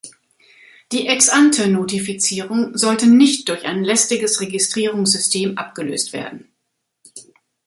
Die Ex-ante-Notifizierung sollte nicht durch ein lästiges Registrierungssystem abgelöst werden.